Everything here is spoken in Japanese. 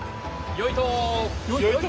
よいと。